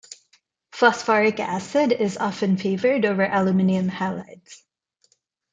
Phosphoric acid is often favored over aluminium halides.